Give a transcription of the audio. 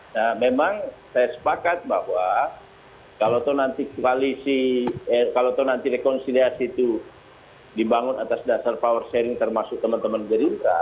nah memang saya sepakat bahwa kalau nanti koalisi eh kalau nanti rekonsiliasi itu dibangun atas dasar power sharing termasuk teman teman gerindra